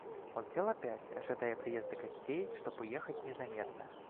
Он сел опять, ожидая приезда гостей, чтоб уехать незаметно.